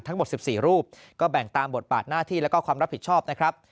ทั้งหมด๑๔รูปก็แบ่งตามบทบาทนาทีและความรับผิดชอบ